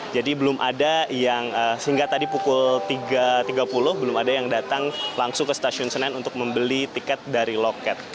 jadi belum ada yang sehingga tadi pukul tiga tiga puluh belum ada yang datang langsung ke stasiun senan untuk membeli tiket dari loket